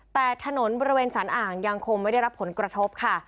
แต่ถนนบริเวณสารอ่างยังคงไม่ได้รับผลกระทบค่ะ